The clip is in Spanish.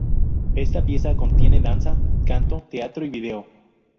Esta pieza contiene danza, canto, teatro y video.